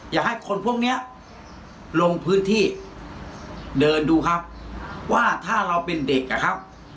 อยากให้คนพวกเนี้ยลงพื้นที่เดินดูครับว่าถ้าเราเป็นเด็กอ่ะครับ